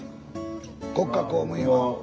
国家公務員は？